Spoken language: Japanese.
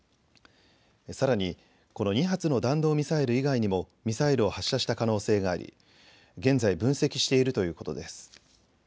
さらにこの２発の弾道ミサイル以外にもミサイルを発射した可能性があり現在分析しているということです。